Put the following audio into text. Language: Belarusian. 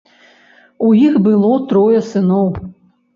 У іх было трое сыноў.